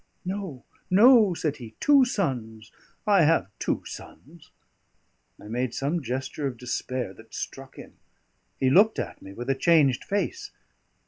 "No, no," said he, "two sons I have two sons." I made some gesture of despair that struck him; he looked at me with a changed face.